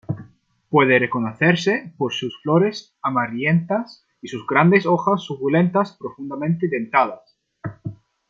Puede reconocerse por sus flores amarillentas y sus grandes hojas suculentas, profundamente dentadas.